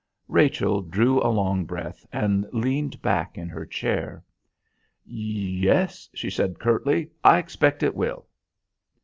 Rachel drew a long breath and leaned back in her chair. "Yes," she said curtly, "I expect it will."